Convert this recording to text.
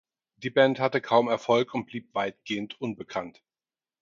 Die Band hatte kaum Erfolg und blieb weitgehend unbekannt.